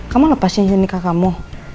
kamu lepas cincin nikah kamu